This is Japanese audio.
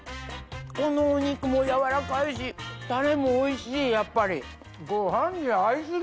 このお肉もやわらかいしタレもおいしいやっぱり。